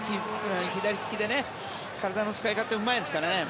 左利きで体の使い方がうまいですからね。